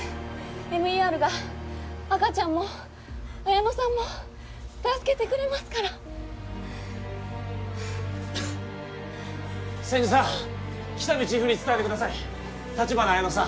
ＭＥＲが赤ちゃんも彩乃さんも助けてくれますから千住さん喜多見チーフに伝えてください立花彩乃さん